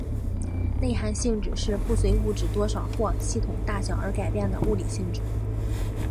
内含性质是不随物质多少或系统大小而改变的物理性质。